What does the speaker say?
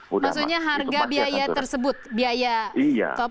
maksudnya harga biaya tersebut biaya top